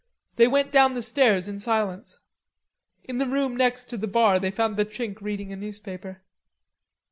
They went down the stairs in silence. In the room next, to the bar they found the Chink reading a newspaper.